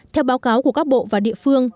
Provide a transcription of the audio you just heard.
theo báo cáo của các bộ và địa phương